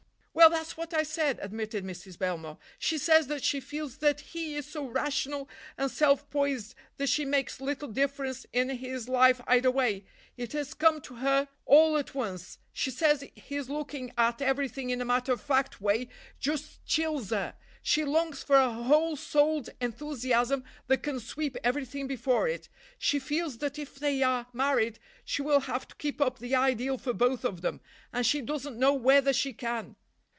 "Well, that's what I said," admitted Mrs. Belmore. "She says that she feels that he is so rational and self poised that she makes little difference in his life either way—it has come to her all at once. She says his looking at everything in a matter of fact way just chills her; she longs for a whole souled enthusiasm that can sweep everything before it. She feels that if they are married she will have to keep up the ideal for both of them, and she doesn't know whether she can."